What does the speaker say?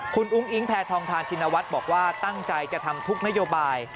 คุณอุ้งอิงแพทองทานชินวัฒน์บอกว่าตั้งใจจะทำทุกนโยบาย